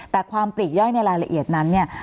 แต่ความปลีกย่อยในรายละเอียดนั้นเนี่ย